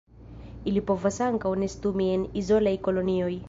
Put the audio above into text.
Ili povas ankaŭ nestumi en izolaj kolonioj.